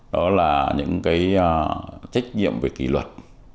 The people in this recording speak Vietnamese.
đó là những trách nhiệm về kỷ luật